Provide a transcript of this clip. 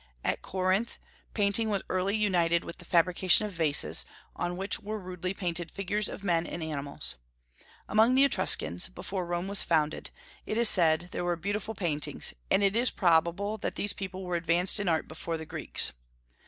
At Corinth, painting was early united with the fabrication of vases, on which were rudely painted figures of men and animals. Among the Etruscans, before Rome was founded, it is said there were beautiful paintings, and it is probable that these people were advanced in art before the Greeks.